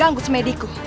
aku sudah menarik